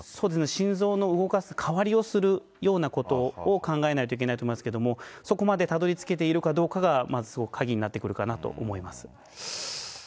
心臓の動かす代わりをするようなことを考えないといけないと思いますけれども、そこまでたどりつけているかどうかが、まず鍵になってくるかなと思います。